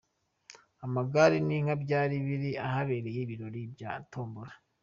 Amagare n'inka byari biri ahaberaga ibirori bya Tombola .